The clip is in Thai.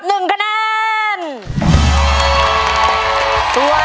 ยิ่งเสียใจ